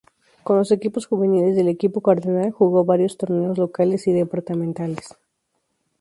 Con los equipos juveniles del equipo cardenal, jugó varios torneos locales y departamentales.